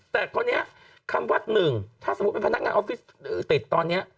แต่คนนี้คำว่าหนึ่งถ้าสมมุติเป็นพนักงานออฟฟิศติดตอนนี้